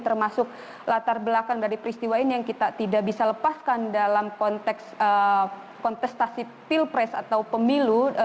termasuk latar belakang dari peristiwa ini yang kita tidak bisa lepaskan dalam konteks kontestasi pilpres atau pemilu